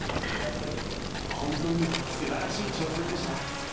本当にすばらしい挑戦でした。